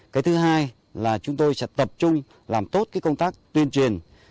cái thứ hai là chúng tôi sẽ tập trung làm tốt công tác tuyên truyền